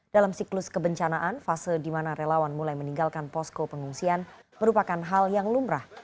dalam siklus kebencanaan fase di mana relawan mulai meninggalkan posko pengungsian merupakan hal yang lumrah